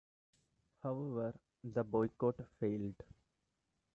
However, the boycott failed.